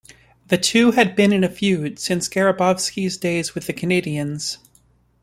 The two had been in a feud since Grabovski's days with the Canadiens.